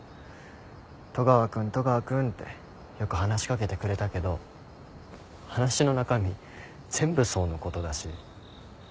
戸川君戸川君ってよく話し掛けてくれたけど話の中身全部想のことだし。